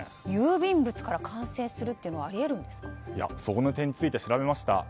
郵便物から感染するというのはその点について調べました。